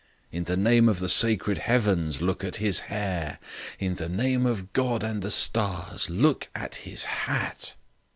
In the name of the sacred heavens look at his hair. In the name of God and the stars, look at his hat."